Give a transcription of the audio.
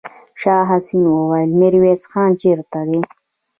شاه حسين وويل: ميرويس خان چېرته دی؟